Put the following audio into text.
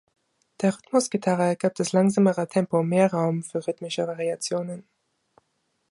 Der Rhythmusgitarre gab das langsamere Tempo mehr Raum für rhythmische Variationen.